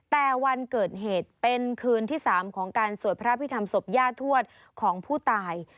แต่วันเกิดเหตุเป็นคืนที่๓ของการสวดพระพิธรรมศพย่าทวดของผู้ตาย